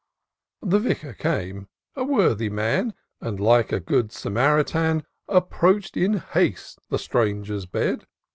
The Vicar came, a worthy man. And like a good Samaritan, Approach'd in haste the stranger's bed.